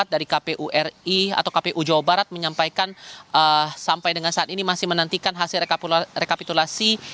dari kpu ri atau kpu jawa barat menyampaikan sampai dengan saat ini masih menantikan hasil rekapitulasi